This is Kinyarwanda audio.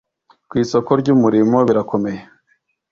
ku isoko ry umurimo birakomeye